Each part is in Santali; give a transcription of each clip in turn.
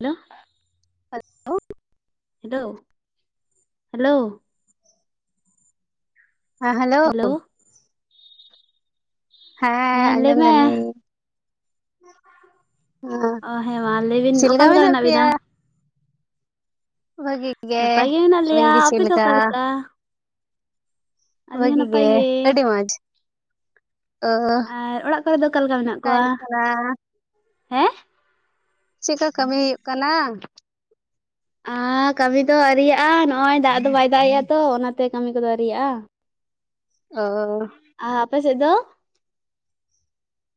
ᱦᱮᱞᱳ ᱦᱮᱞᱳ ᱦᱮᱞᱳ ᱦᱮᱞᱳ ᱦᱮᱸ ᱦᱮᱞᱳ ᱦᱮᱸ ᱞᱟᱹᱭ ᱟᱸᱡᱚᱢ ᱢᱮ ᱫᱟᱞᱤᱧ᱾ ᱚ ᱦᱮᱸᱢᱟ ᱞᱟᱹᱭ ᱵᱤᱱ ᱪᱮᱫ ᱞᱮᱠᱟ ᱚᱠᱟᱞᱮᱠᱟ ᱢᱮᱱᱟᱜ ᱵᱤᱱᱟ᱾ ᱯᱮᱭᱟ ᱱᱟᱯᱟᱭ ᱜᱮ ᱢᱮᱱᱟᱜ ᱟᱹᱵᱤᱱ ᱞᱮᱭᱟ ᱜᱮ ᱪᱮᱫ ᱟᱯᱮ ᱫᱚ ᱞᱮᱠᱟ ᱚᱠᱟᱞᱮᱠᱟ᱾ ᱵᱟᱹᱜᱤ ᱜᱮ ᱟᱹᱰᱤ ᱢᱚᱡᱽ ᱟᱨ ᱚᱲᱟᱜ ᱠᱚᱨᱮ ᱫᱚ ᱚᱠᱟ ᱞᱮᱠᱟ ᱢᱮᱱᱟᱜ ᱛᱟᱭ ᱠᱚᱣᱟ ᱠᱟᱱᱟ ᱦᱮᱸ᱾ ᱪᱮᱫᱠᱟ ᱠᱟᱹᱢᱤ ᱦᱩᱭᱩᱜ ᱠᱟᱱᱟ? ᱟᱨ ᱠᱟᱹᱢᱤ ᱫᱚ ᱟᱹᱨᱤᱭᱟᱜᱼᱟ ᱱᱚᱜ-ᱚᱭ ᱫᱟᱜ ᱫᱚ ᱵᱟᱭ ᱫᱟᱜ ᱮ-ᱟ ᱛᱚ ᱚᱱᱟᱛᱮ ᱠᱟᱹᱢᱤ ᱠᱚᱫᱚ ᱟᱹᱨᱤᱭᱟᱜ-ᱟ᱾ ᱚᱻ ᱟᱻ ᱟᱯᱟᱥᱮ ᱫᱚ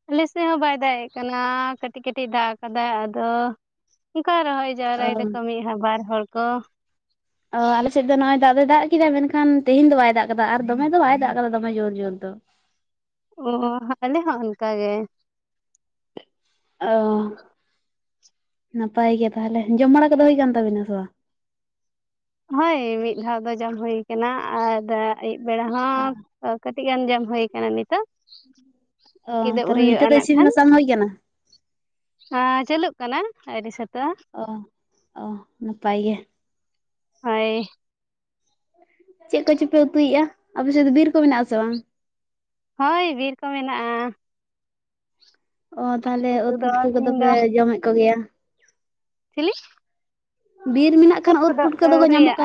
ᱟᱞᱮᱥᱮ ᱦᱚᱸ ᱵᱟᱭ ᱫᱟᱜ ᱮᱜ ᱠᱟᱱᱟ, ᱠᱟᱹᱴᱤᱡ ᱠᱟᱹᱴᱤᱡ ᱫᱟᱜ ᱟᱠᱟᱫᱫᱟ ᱟᱫᱚ, ᱚᱱᱠᱟᱟᱭ ᱨᱚᱦᱚᱭ ᱚ ᱡᱟᱣᱨᱟᱭ ᱫᱚᱠᱚ ᱢᱤᱫᱦᱟ ᱵᱟᱨ ᱦᱚᱲ ᱠᱚ, ᱚ ᱟᱞᱮᱥᱮᱫ ᱫᱚ ᱱᱚᱜᱼᱚᱭ ᱫᱟᱜ ᱫᱚᱭ ᱫᱟᱜ ᱠᱮᱫᱟ ᱢᱮᱱᱠᱷᱟᱱ, ᱛᱮᱦᱮᱧ ᱫᱚ ᱵᱟᱭ ᱫᱟᱜ ᱠᱟᱫᱟ ᱟᱨ ᱫᱚᱢᱮ ᱫᱚ ᱵᱟᱭ ᱫᱟᱜ ᱠᱟᱫᱟ ᱫᱚᱢᱮ ᱡᱩᱨ ᱡᱩᱨ ᱫᱚ ᱚ ᱟᱞᱮ ᱦᱚᱸ ᱚᱱᱠᱟ ᱜᱮ᱾ ᱚ ᱱᱟᱯᱟᱭ ᱜᱮ ᱛᱟᱦᱚᱞᱮ ᱡᱚᱢ ᱵᱟᱲᱟ ᱠᱚᱫᱚ ᱦᱩᱭ ᱠᱟᱱ ᱛᱟᱵᱤᱱᱟ ᱥᱮ ᱵᱟᱝ ᱦᱳᱭ ᱢᱤᱫ ᱫᱷᱟᱣ ᱫᱚ ᱡᱚᱢ ᱦᱩ ᱟᱠᱟᱱᱟ ᱟᱨ ᱟᱹᱭᱩᱵ ᱵᱮᱲᱟ ᱦᱚᱸ, ᱠᱟᱹᱴᱤᱡ ᱟᱹᱰᱤ ᱟᱸᱡᱚᱢ ᱦᱩᱭᱩ ᱠᱟᱱᱟ ᱱᱤᱛᱚᱜ, ᱚ ᱠᱤᱫᱵ ᱛᱟᱦᱚᱞᱮ ᱦᱩᱭᱩᱜᱼᱟ ᱱᱤᱛᱚᱜ ᱫᱚ ᱱᱟᱜ ᱤᱥᱤᱱ ᱠᱷᱟᱱ᱾ ᱵᱟᱥᱟᱝ ᱦᱩᱭ ᱠᱟᱱᱟᱟᱱᱟ᱾ ᱩ ᱪᱟᱹᱞᱩᱜ ᱠᱟᱱᱟ ᱟᱹᱰᱤ ᱥᱟᱛ ᱚ ᱚ ᱱᱟᱯᱟᱭ ᱜᱮ ᱾ ᱦᱚᱭ ᱪᱮᱫ ᱠᱚᱪᱚᱯᱮ ᱩᱛᱩᱭᱮᱫᱼᱟ, ᱟᱯᱮ ᱥᱮᱫ ᱫᱚ ᱵᱤᱨ ᱠᱚ ᱢᱮᱱᱟᱜ ᱟᱥᱮ ᱵᱟᱝ? ᱦᱳᱭ ᱵᱤᱨ ᱠᱚ ᱢᱮᱱᱟᱜᱼᱟ᱾ ᱚ ᱛᱟᱦᱞᱮ ᱩᱫ ᱫᱚ ᱩᱛᱩ ᱠᱚᱫᱚ ᱛᱤᱦᱤᱧ ᱯᱮ ᱫᱚ ᱡᱚᱢᱮᱫ ᱠᱚᱜᱮᱭᱟ᱾ ᱪᱮᱞᱤ? ᱵᱤᱨ ᱢᱮᱱᱟᱜᱼᱼ ᱩᱫ ᱠᱚᱫᱚ ᱟᱣᱨᱟᱜᱼᱟ,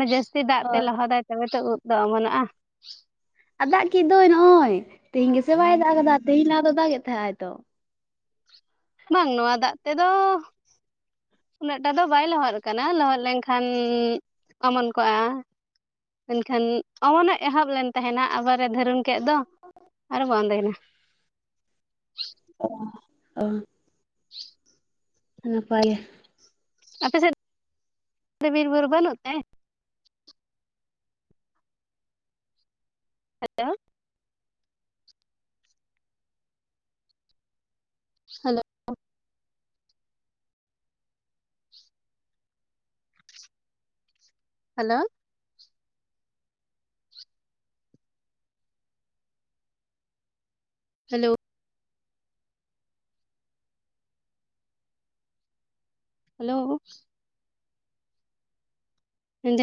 ᱟᱨ ᱡᱟᱹᱥᱛᱤ ᱫᱟᱜ ᱚ ᱛᱮ ᱞᱟᱦᱚ ᱫᱟᱭ᱾ ᱛᱚᱵᱮ ᱛᱚ ᱩᱵ ᱫᱚ ᱚᱢᱚᱱᱚᱜᱼᱟ᱾ ᱟᱫᱚ ᱫᱟᱜ ᱠᱮᱫ ᱫᱚᱭ ᱱᱚᱜᱼᱚᱭ, ᱛᱮᱦᱮᱧ ᱜᱮᱥᱮ ᱵᱟᱭ ᱫᱟᱜ ᱠᱟᱫᱟ ᱛᱮᱦᱮᱧ ᱞᱟᱦᱟ ᱫᱚ ᱫᱟᱜ ᱮ ᱮᱫ ᱛᱟᱦᱮᱸᱜ ᱛᱚ᱾ ᱵᱟᱝ ᱱᱚᱣᱟ ᱫᱟᱜ ᱛᱮᱫᱚᱼᱼ ᱩᱱᱟᱹᱜ ᱴᱟ ᱫᱚ ᱵᱟᱭ ᱞᱚᱦᱚᱫ ᱠᱟᱱᱟ, ᱞᱚᱦᱚᱫ ᱞᱮᱱᱠᱷᱟᱱ ᱚᱢᱚᱱ ᱠᱚᱜᱼᱟ᱾ ᱢᱮᱱᱠᱷᱟᱱ ᱚᱢᱚᱱᱚᱜ ᱮᱦᱚᱵ ᱞᱮᱱ ᱛᱟᱦᱮᱱᱟ ᱟᱵᱟᱨᱮ ᱫᱷᱟᱹᱨᱚᱢ ᱠᱮᱫ ᱫᱚ, ᱟᱨ ᱵᱚᱱᱫᱚᱭᱱᱟ᱾ ᱚᱼ ᱚᱼ [unintelligible] ᱱᱟᱯᱟᱭᱟᱼᱼ ᱟᱯᱮ ᱥᱮᱫ [unintelligible] ᱵᱤᱨᱵᱩᱨᱩ ᱵᱟᱹᱱᱩᱜ ᱛᱮ? ᱦᱮᱞᱳ᱾ Hello hello hello